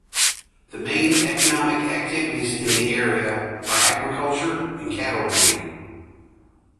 The main economic activities in the area are agriculture and cattle breeding.